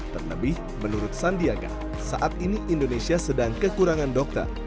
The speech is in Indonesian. terlebih menurut sandiaga saat ini indonesia sedang kekurangan dokter